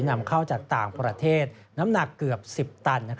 นำเข้าจากต่างประเทศน้ำหนักเกือบ๑๐ตัน